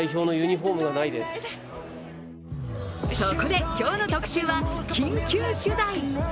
そこで今日の特集は緊急取材。